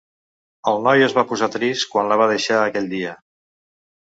El noi es va posar trist quan la va deixar aquell dia.